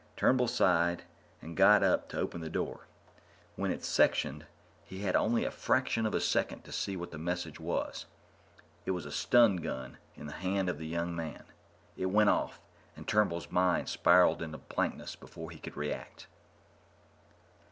Turnbull sighed and got up to open the door. When it sectioned, he had only a fraction of a second to see what the message was. It was a stungun in the hand of the young man. It went off, and Turnbull's mind spiraled into blankness before he could react.